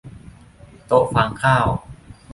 โต๊ะฟางข้าว